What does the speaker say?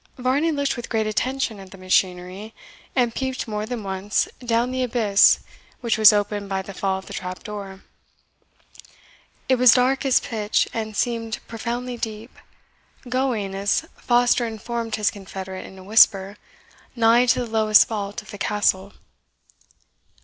Varney looked with great attention at the machinery, and peeped more than once down the abyss which was opened by the fall of the trap door. It was dark as pitch, and seemed profoundly deep, going, as Foster informed his confederate in a whisper, nigh to the lowest vault of the Castle.